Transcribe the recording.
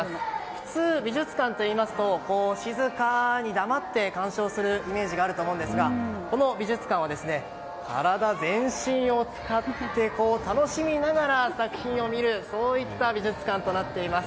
普通、美術館といいますと静かに黙って鑑賞するイメージがあるんですがこの美術館は体全身を使って楽しみながら作品を見る美術館となっています。